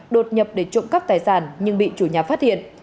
đột nhập để trộm cắp tài sản nhưng bị chủ nhà phát hiện